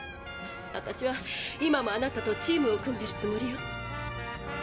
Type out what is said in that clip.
私は今もあなたとチームを組んでるつもりよ。